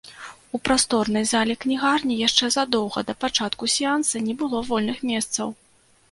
У прасторнай залі кнігарні яшчэ задоўга да пачатку сеанса не было вольных месцаў.